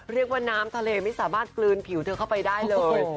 น้ำทะเลไม่สามารถกลืนผิวเธอเข้าไปได้เลย